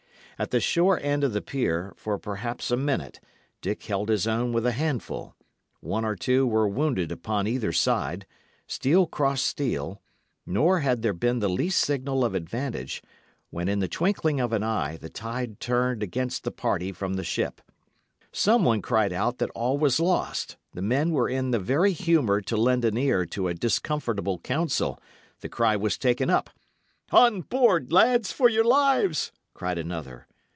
At the shore end of the pier, for perhaps a minute, Dick held his own with a handful; one or two were wounded upon either side; steel crossed steel; nor had there been the least signal of advantage, when in the twinkling of an eye the tide turned against the party from the ship. Someone cried out that all was lost; the men were in the very humour to lend an ear to a discomfortable counsel; the cry was taken up. "On board, lads, for your lives!" cried another.